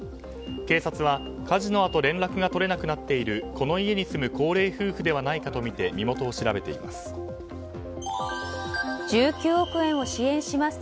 警察は火事のあと連絡が取れなくなっているこの家に住む高齢夫婦ではないかとみて身元を調べています。